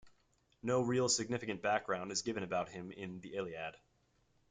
No real significant background is given about him in the "Iliad".